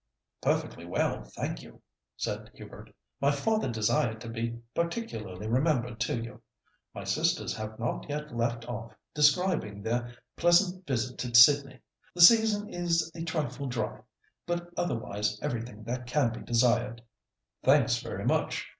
"Perfectly well, thank you," said Hubert. "My father desired to be particularly remembered to you. My sisters have not yet left off describing their pleasant visit to Sydney. The season is a trifle dry, but otherwise everything that can be desired." "Thanks very much!